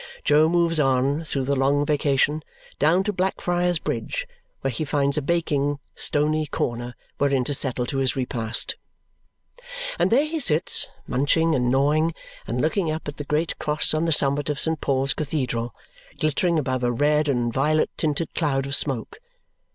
Jo moves on, through the long vacation, down to Blackfriars Bridge, where he finds a baking stony corner wherein to settle to his repast. And there he sits, munching and gnawing, and looking up at the great cross on the summit of St. Paul's Cathedral, glittering above a red and violet tinted cloud of smoke.